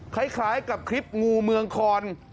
คล้ายกับคลิปงูเมืองคอน